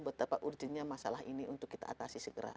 betapa urgennya masalah ini untuk kita atasi segera